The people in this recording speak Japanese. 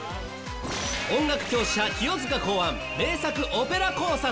音楽強者清塚考案名作オペラ考察。